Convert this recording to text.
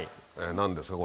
何ですか？